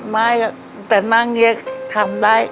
ไม่เองแต่นั่งเงียกทำได้